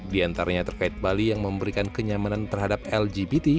di antaranya terkait bali yang memberikan kenyamanan terhadap lgbt